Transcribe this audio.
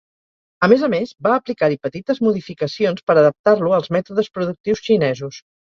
A més a més, va aplicar-hi petites modificacions per adaptar-lo als mètodes productius xinesos.